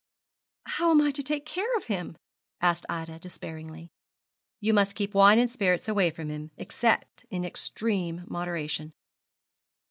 'How am I to take care of him?' asked Ida, despairingly. 'You must keep wine and spirits away from him, except in extreme moderation.'